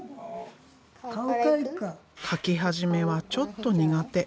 描き始めはちょっと苦手。